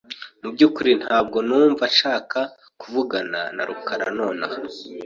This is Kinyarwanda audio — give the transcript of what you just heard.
Mu byukuri ntabwo numva nshaka kuvugana na rukara nonaha .